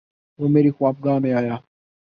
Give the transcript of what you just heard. وہ میری خوابگاہ میں آیا